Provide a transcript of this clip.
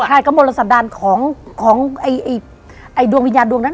ใช่กระโมลสัมดาลของดวงวิญญาณดวงนั้น